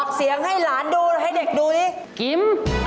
เบาเชื่อเพื่อนครับ